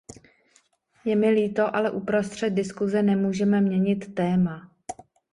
Je mi líto, ale uprostřed diskuse nemůžeme měnit téma.